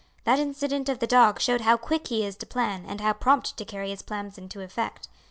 That incident of the dog showed how quick he is to plan and how prompt to carry his plans into effect.